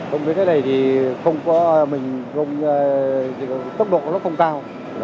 không biết thế này thì không có mình không tốc độ của nó không cao